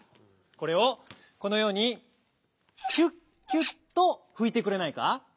これをこのように「きゅっきゅっ」とふいてくれないか？